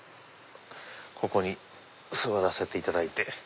ここに座らせていただいて。